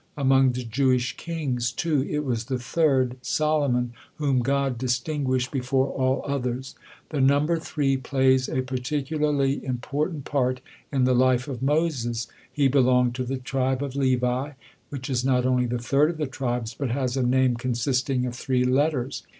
Among the Jewish kings, too, it was the third, Solomon, whom God distinguished before all others. The number three plays a particularly important part in the life of Moses. He belonged to the tribe of Levi, which is not only the third of the tribes, but has a name consisting of three letters.